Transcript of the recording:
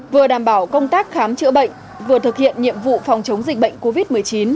vừa đảm bảo công tác khám chữa bệnh vừa thực hiện nhiệm vụ phòng chống dịch bệnh covid một mươi chín